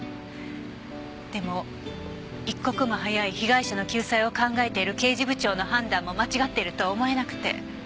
でも一刻も早い被害者の救済を考えている刑事部長の判断も間違っているとは思えなくて。